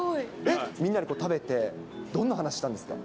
みんなで食べて、どんな話したんですか？